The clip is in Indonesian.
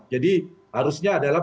jadi harusnya adalah